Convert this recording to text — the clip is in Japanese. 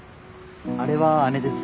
あれは姉です。